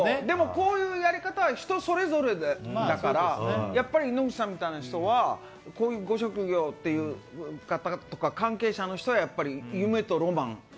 こういうやり方は、人それぞれだから、野口さんみたいな人は、こういうご職業とか関係者の人は夢とロマン。